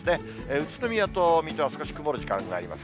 宇都宮と水戸は少し曇る時間があります。